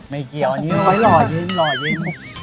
ไม่เกี่ยวอันนี้เอาไว้หล่อยเย็น